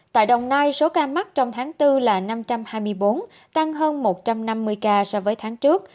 tại đồng nai số ca mắc trong tháng bốn là năm trăm hai mươi bốn tăng hơn một trăm năm mươi ca so với tháng trước